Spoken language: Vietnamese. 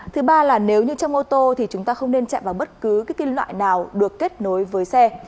thứ ba là nếu như trong ô tô thì chúng ta không nên chạy vào bất cứ loại nào được kết nối với xe